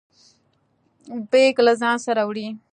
بیګ له ځانه سره وړئ؟